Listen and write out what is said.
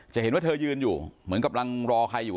เห็นว่าเธอยืนอยู่เหมือนกำลังรอใครอยู่